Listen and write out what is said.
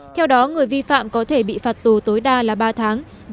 theo đó người vi phạm có thể bị phạt tù tối đa